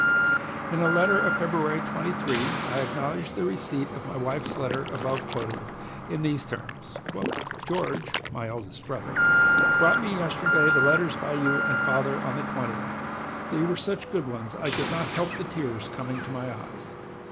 In a letter of February 23, I acknowledged the receipt of my wife's letter above quoted, in these terms: "George [my eldest brother] brought me yesterday the letters by you and father on the 20th, and they were such good ones I could not help the tears coming to my eyes.